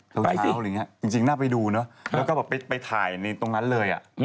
เช้าอะไรอย่างนี้จริงน่าไปดูเนอะแล้วก็แบบไปถ่ายในตรงนั้นเลย